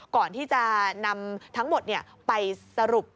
ก่อนที่จะนำทั้งหมดไปสรุป